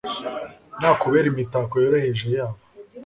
Nakubera imitako yoroheje yabo